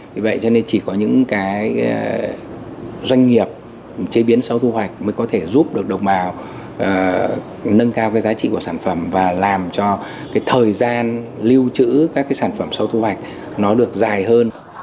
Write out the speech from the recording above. vì vậy cho nên chỉ có những cái doanh nghiệp chế biến sau thu hoạch mới có thể giúp được đồng bào nâng cao cái giá trị của sản phẩm và làm cho cái thời gian lưu trữ các cái sản phẩm sau thu hoạch nó được dài hơn